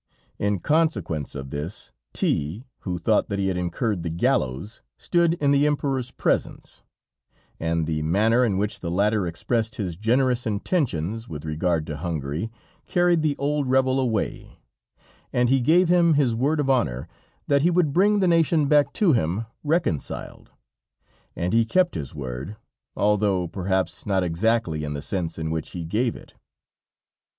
In consequence of this, T , who thought that he had incurred the gallows, stood in the Emperor's presence, and the manner in which the latter expressed his generous intentions with regard to Hungary, carried the old rebel away, and he gave him his word of honor that he would bring the nation back to him, reconciled. And he kept his word, although, perhaps, not exactly in the sense in which he gave it.